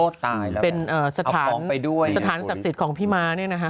โตตายหรอแม่เป็นสถานเอาของไปด้วยสถานทรัพย์สิทธิ์ของพี่มาเนี้ยนะฮะ